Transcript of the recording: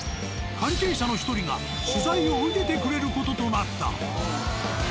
関係者の１人が取材を受けてくれる事となった。